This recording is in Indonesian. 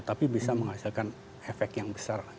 tapi bisa menghasilkan efek yang besar